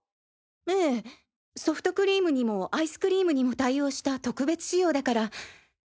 ええソフトクリームにもアイスクリームにも対応した特別仕様だから−